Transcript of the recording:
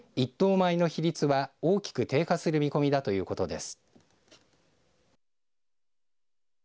米の比率は大きく低下する見込みだということです。